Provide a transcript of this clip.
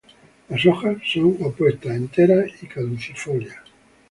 Las hojas son opuestas, enteras, y caducifolias.